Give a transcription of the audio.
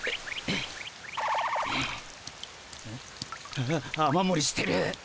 ああっ雨もりしてる。